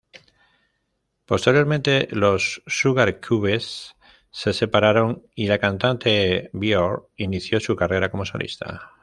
Posteriormente los Sugarcubes se separaron y la cantante Björk inició su carrera como solista.